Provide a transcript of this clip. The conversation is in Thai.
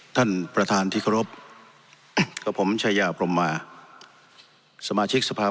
ท่านประธานที่เคารพกับผมชายาพรมมาสมาชิกสภาพ